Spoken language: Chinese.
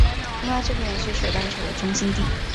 另外这边也是水半球的中心地。